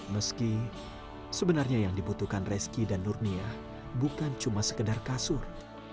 meski sebenarnya yang dibutuhkan reski dan nurnia bukan cuma sekedar kasur